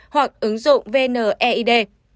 hoặc ứng dụng vn eid